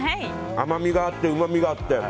甘みがあってうまみがあって。